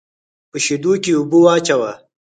په شېدو کې اوبه واچوه.